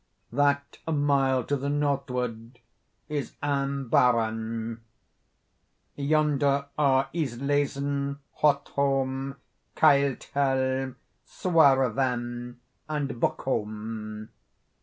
That a mile to the northward is Ambaaren. Yonder are Islesen, Hotholm, Keildhelm, Suarven, and Buckholm.